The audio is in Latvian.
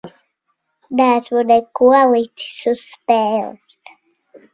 Neesmu neko licis uz spēles.